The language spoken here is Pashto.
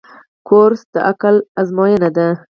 کورس د عقل آزموینه ده.